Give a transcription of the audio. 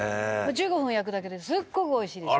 １５分焼くだけですっごく美味しいですよ。